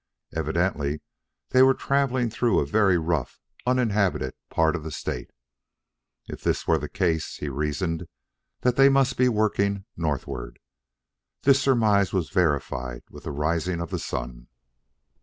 Evidently they were traveling through a very rough, uninhabited part of the state. If this were the case, he reasoned that they must be working northward. This surmise was verified with the rising of the sun.